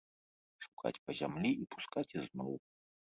Шукаць па зямлі і пускаць ізноў.